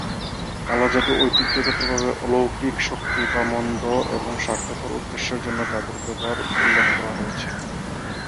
কালো জাদু ঐতিহ্যগতভাবে অলৌকিক শক্তি বা মন্দ এবং স্বার্থপর উদ্দেশ্যের জন্য জাদুর ব্যবহার উল্লেখ করা হয়েছে।